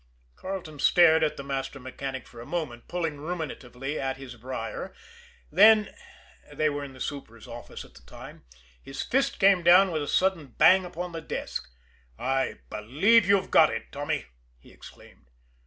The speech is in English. Carleton stared at the master mechanic for a moment, pulling ruminatively at his brier; then they were in the super's office at the time his fist came down with a sudden bang upon the desk. "I believe you've got it, Tommy!" he exclaimed.